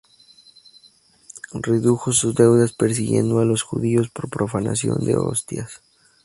Redujo sus deudas persiguiendo a los judíos por profanación de hostias.